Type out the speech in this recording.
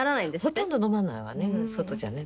ほとんど飲まないわね外じゃね。